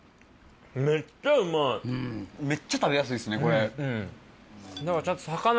めっちゃうまいめっちゃ食べやすいですねこれ。